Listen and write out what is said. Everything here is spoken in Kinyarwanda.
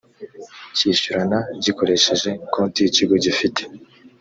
cyishyurana gikoresheje konti y ikigo gifite